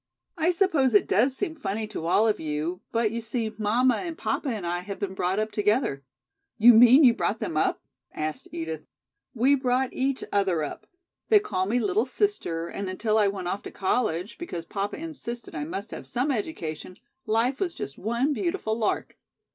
"I suppose it does seem funny to all of you, but, you see, mamma and papa and I have been brought up together " "You mean you brought them up?" asked Edith. "We brought each other up. They call me 'little sister', and until I went off to college, because papa insisted I must have some education, life was just one beautiful lark."